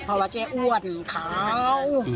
เพราะว่าแกอ้วนขาว